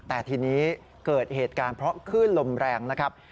แต่ทีนี้เกิดเหตุการณ์เพราะคลื่นลมแรงนะครับ